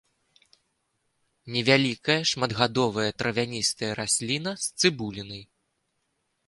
Невялікая шматгадовая травяністая расліна з цыбулінай.